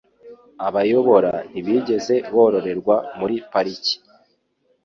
Abayobora ntibigeze bororerwa muri pariki.